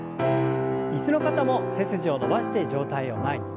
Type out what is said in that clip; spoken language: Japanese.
椅子の方も背筋を伸ばして上体を前に。